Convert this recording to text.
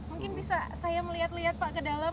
mungkin bisa saya melihat lihat pak ke dalam